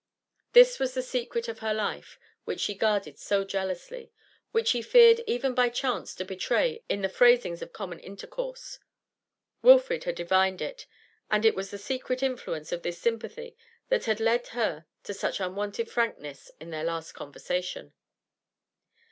This was the secret of her life, which she guarded so jealously, which she feared even by chance to betray in the phrasings of common intercourse. Wilfrid had divined it, and it was the secret influence of this sympathy that had led her to such unwonted frankness in their latest conversation.